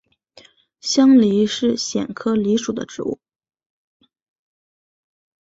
香藜是苋科藜属的植物。